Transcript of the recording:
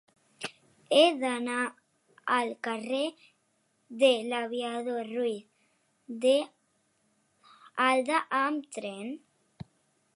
He d'anar al carrer de l'Aviador Ruiz de Alda amb tren.